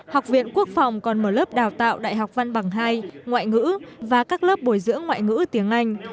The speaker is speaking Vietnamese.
học viện quốc phòng còn mở lớp đào tạo đại học văn bằng hai ngoại ngữ và các lớp bồi dưỡng ngoại ngữ tiếng anh